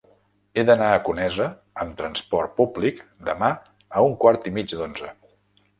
He d'anar a Conesa amb trasport públic demà a un quart i mig d'onze.